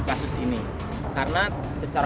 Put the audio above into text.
kasus ini karena secara